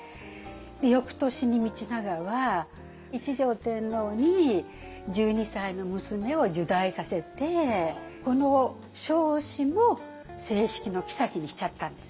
翌年に道長は一条天皇に１２歳の娘を入内させてこの彰子も正式の后にしちゃったんです。